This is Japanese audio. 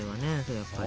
やっぱりね。